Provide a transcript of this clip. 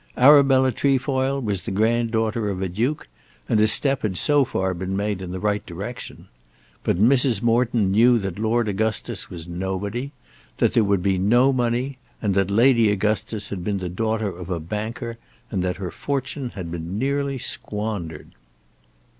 Arabella Trefoil was the granddaughter of a duke, and a step had so far been made in the right direction. But Mrs. Morton knew that Lord Augustus was nobody, that there would be no money, and that Lady Augustus had been the daughter of a banker, and that her fortune had been nearly squandered.